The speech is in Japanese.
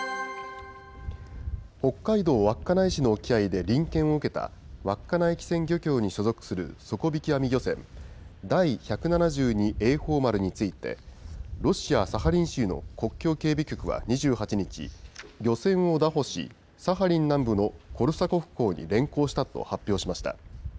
北海道稚内市の沖合で臨検を受けた、稚内機船漁協に所属する底引き網漁船、第百七十二榮寳丸について、ロシア・サハリン州の国境警備局は２８日、漁船を拿捕し、サハリン南部のコルサコフ港に連行したと発表しました。